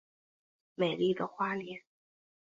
美丽的花莲